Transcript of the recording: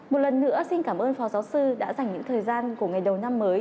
một lần nữa xin cảm ơn phó giáo sư đã dành những thời gian của ngày đầu năm mới